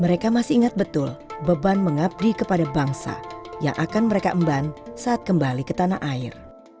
mereka masih ingat betul beban mengabdi kepada bangsa yang akan mereka emban saat kembali ke tanah air